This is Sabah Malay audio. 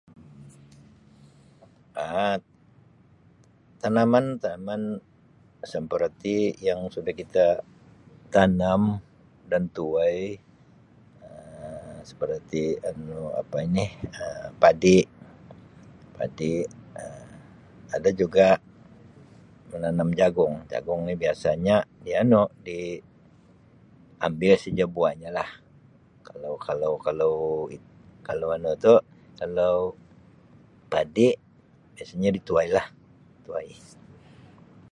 Um Tanaman-tanaman seperti yang sudah kita tanam dan tuai Um seperti anu apa ini Um padi-padi Um ada juga menanam jagung. Jagung ni biasanya di anu diambil saja buahnya lah kalau-kalau-kalau it- kalau anu tu kalau padi biasanya dituai lah, tuai.